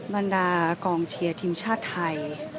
บรรดากองเชียร์ทีมชาติไทย